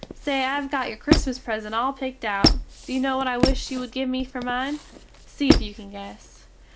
Say, I have got your Christmas present all pickt out, do you no what I wish you wood give me fer mine? See if you can guess.